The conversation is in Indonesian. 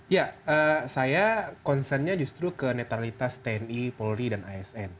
ya saya concernnya justru ke netralitas tni polri dan asn